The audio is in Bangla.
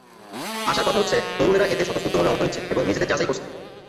আশার কথা হচ্ছে তরুণেরা এতে স্বতঃস্ফূর্তভাবে অংশ নিচ্ছেন এবং নিজেদের যাচাই করছেন।